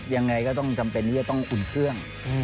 ยังไงก็ต้องจำเป็นที่จะต้องอุ่นเครื่อง